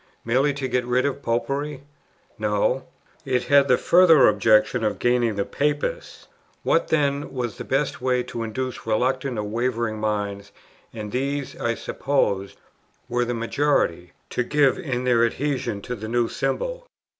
merely to get rid of "Popery?" No; it had the further object of gaining the "Papists." What then was the best way to induce reluctant or wavering minds, and these, I supposed, were the majority, to give in their adhesion to the new symbol?